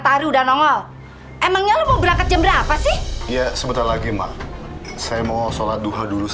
tahan ulang jahat melihat mu